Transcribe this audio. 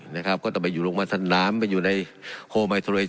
นะครับก็ต้องไปอยู่โรงพยาบาลสนามไปอยู่ใน